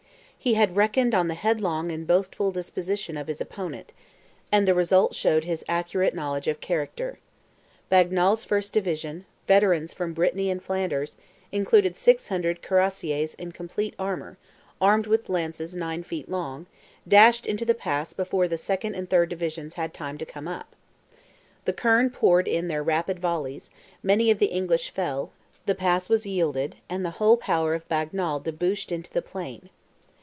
He had reckoned on the headlong and boastful disposition of his opponent, and the result showed his accurate knowledge of character. Bagnal's first division, veterans from Brittany and Flanders, including 600 curassiers in complete armour, armed with lances nine feet long, dashed into the pass before the second and third divisions had time to come up. The kerne poured in their rapid volleys; many of the English fell; the pass was yielded, and the whole power of Bagnal debouched into the plain.